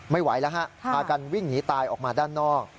ไม่ไหวแล้วฮะพากันวิ่งหนีตายออกมาด้านนอก